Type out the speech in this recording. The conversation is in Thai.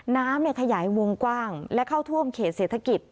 น้ำขยายวงกว้างและเข้าท่วมเขตเศรษฐกิจ